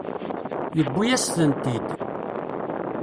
Yuwi-asent-tent-id.